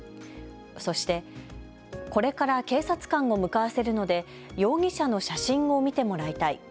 そして、これから警察官を向かわせるので容疑者の写真を見てもらいたい。